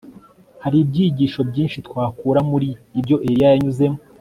Hari ibyigisho byinshi twakura muri ibyo Eliya yanyuzemo